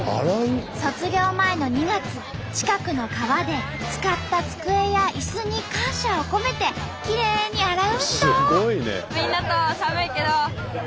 卒業前の２月近くの川で使った机や椅子に感謝を込めてきれいに洗うんと。